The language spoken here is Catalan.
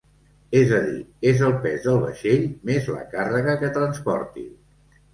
És a dir, és el pes del vaixell més la càrrega que transporti.